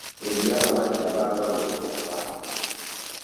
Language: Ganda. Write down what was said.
Eriyo abasajja abaagala okuwasa.